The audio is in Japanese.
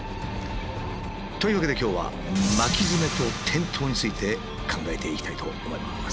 というわけで今日は巻きヅメと転倒について考えていきたいと思います。